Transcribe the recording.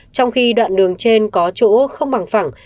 trong khi đoạn đường trên có chỗ không bằng phẳng